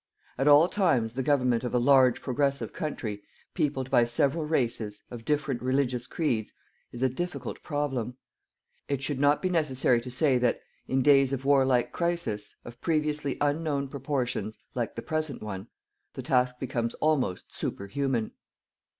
At all times the government of a large progressive country peopled by several races, of different religious creeds, is a difficult problem. It should not be necessary to say that in days of warlike crisis, of previously unknown proportions, like the present one, the task becomes almost superhuman.